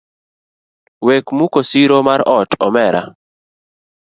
Wek muko siro mar ot omera.